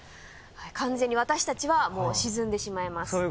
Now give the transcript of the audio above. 完全に私たちはもう沈んでしまいます。